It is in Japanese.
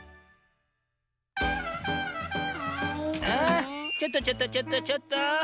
あちょっとちょっとちょっとちょっと。